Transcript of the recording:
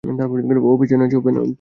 ও পেছনে আছে।